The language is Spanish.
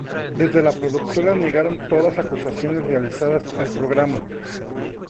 Desde la productora negaron todas acusaciones realizadas al programa.